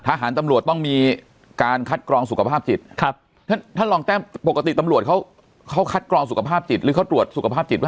ทหารตำรวจต้องมีการคัดกรองสุขภาพจิตครับท่านท่านรองแต้มปกติตำรวจเขาเขาคัดกรองสุขภาพจิตหรือเขาตรวจสุขภาพจิตป